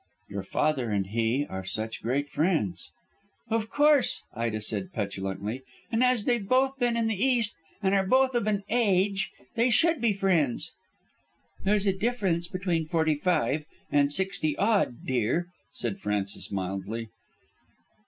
"Your father and he are such great friends." "Of course," said Ida petulantly, "and as they've both been in the East and are both of an age, they should be friends." "There's a difference between forty five and sixty odd, dear," said Frances mildly.